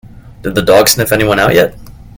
Did the dog sniff anyone out yet?